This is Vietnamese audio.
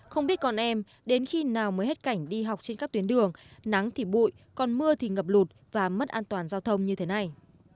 không biết con em đến khi nào mới hết cảnh đi học trên các tuyến đường nắng thì bụi còn mưa thì ngập lụt và mất an toàn giao thông như thế này